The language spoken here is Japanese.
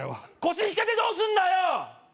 腰引けてどうすんだよ！